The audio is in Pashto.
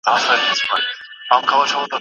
د يرموک په جګړه کي مسلمانانو جزيه ورکړه.